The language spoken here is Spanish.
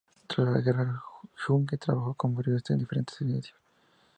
Tras la guerra, Junge trabajó como periodista en diferentes medios.